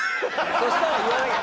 そしたら言わなきゃ。